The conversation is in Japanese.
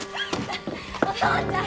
お父ちゃん！